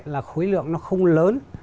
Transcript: là khối lượng nó không lớn